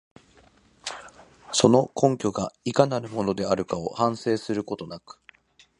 その根拠がいかなるものであるかを反省することなく、